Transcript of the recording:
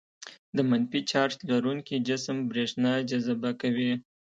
د منفي چارج لرونکي جسم برېښنا جذبه کوي.